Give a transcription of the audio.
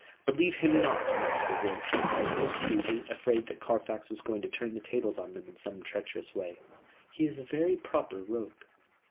"Believe him not, Master Will," interposed Stuteley, afraid that Carfax was going to turn the tables on them in some treacherous way. "He is a very proper rogue."